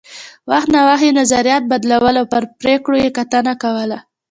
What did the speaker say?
وخت نا وخت یې نظریات بدلول او پر پرېکړو یې کتنه کوله